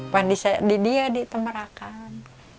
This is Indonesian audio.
pan di dia di temerakan